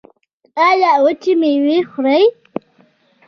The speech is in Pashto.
ایا وچې میوې خورئ؟